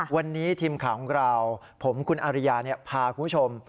วันนี้ทีมข่าวของเราผมคุณอาริยาพาคุณผู้ชม